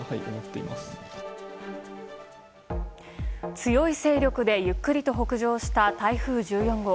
強い勢力でゆっくりと北上した台風１４号。